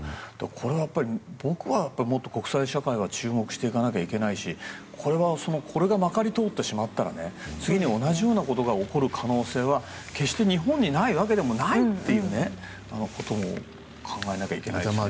これは僕はもっと国際社会は注目していかなくちゃいけないしこれがまかり通ってしまったら次に同じようなことが起こる可能性は決して日本にないわけでもないということも考えなきゃいけないでしょうね。